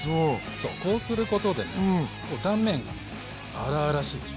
そうこうすることでね断面が荒々しいでしょ？